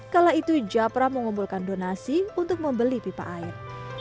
kala itu japra mengumpulkan donasi untuk membeli pipa air